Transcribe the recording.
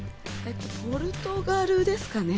ポルトガルですかね。